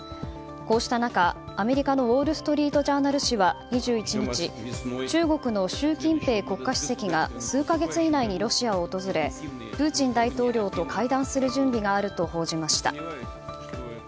こうした中、アメリカのウォール・ストリート・ジャーナル紙は２１日中国の習近平国家主席が数か月以内にロシアを訪れプーチン大統領と会談する準備があると報じました。